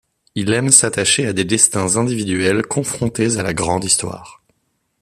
Il aime s'attacher à des destins individuels confrontés à la grande histoire.